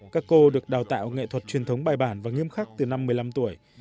các cô được đào tạo nghệ thuật truyền thống bài bản và nghiêm khắc từ năm một mươi năm tuổi